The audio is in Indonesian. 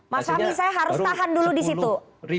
mas fahmi saya harus tahan dulu di situ